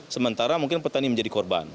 sementara mungkin petani menjadi korban